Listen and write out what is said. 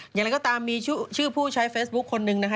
อย่างไรก็ตามมีชื่อผู้ใช้เฟซบุ๊คคนหนึ่งนะฮะ